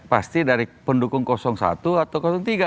pasti dari pendukung satu atau tiga